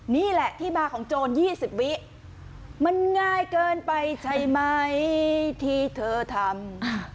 นี่แหละที่มาของโจร๒๐วิมันง่ายเกินไปใช่ไหมที่เธอทำ